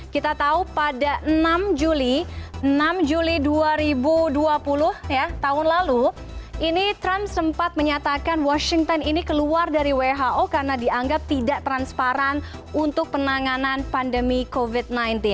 kita tahu pada enam juli enam juli dua ribu dua puluh tahun lalu ini trump sempat menyatakan washington ini keluar dari who karena dianggap tidak transparan untuk penanganan pandemi covid sembilan belas